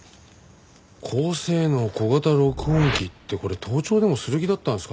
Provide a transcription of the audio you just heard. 高性能小型録音機。ってこれ盗聴でもする気だったんですかね？